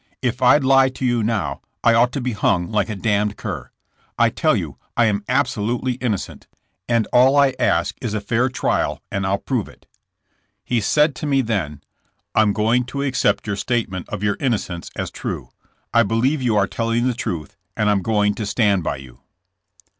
If I'd lie to you now I ought to be hung like a damned cur. I tell you I am abso lutely innocent, and all I ask is a fair trial and I'll prove it. '' He said to me then: ^*I'm going to accept your statement of your innocence as true. I believe you are telling the truth, and I 'm going to stand by you.